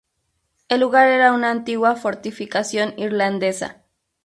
El lugar era una antigua fortificación irlandesa.